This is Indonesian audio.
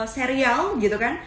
serial gitu kan